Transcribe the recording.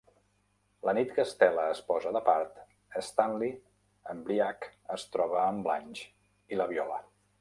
La nit que Stella es posa de part, Stanley embriac es troba amb Blanche i la viola.